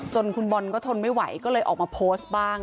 คุณบอลก็ทนไม่ไหวก็เลยออกมาโพสต์บ้าง